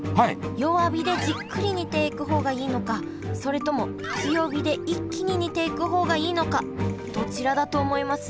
弱火でじっくり煮ていく方がいいのかそれとも強火で一気に煮ていく方がいいのかどちらだと思います？